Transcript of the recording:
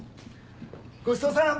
ごちそうさん。